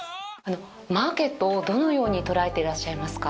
マーケットをどのように捉えていらっしゃいますか？